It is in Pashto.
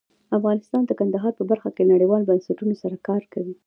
افغانستان د کندهار په برخه کې نړیوالو بنسټونو سره کار کوي.